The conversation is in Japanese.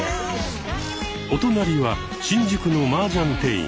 お隣は新宿のマージャン店員。